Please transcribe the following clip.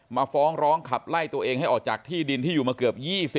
ฟ้องร้องขับไล่ตัวเองให้ออกจากที่ดินที่อยู่มาเกือบ๒๐